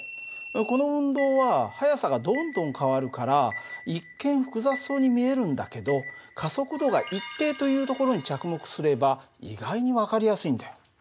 この運動は速さがどんどん変わるから一見複雑そうに見えるんだけど加速度が一定というところに着目すれば意外に分かりやすいんだよ。